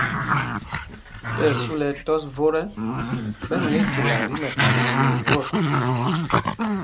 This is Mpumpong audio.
Tí ɛsu lɛ ɛtɔs vot ɛ, ɓɛ nyɛɛ tilaa ɗin tí mɛkaná mɛ vot.